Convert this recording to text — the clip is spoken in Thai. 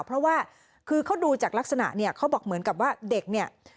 เพราะว่าคือเขาดูจากลักษณะเนี่ยเขาบอกเหมือนกับว่าเด็กเนี่ย